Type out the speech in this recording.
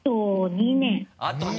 ２年！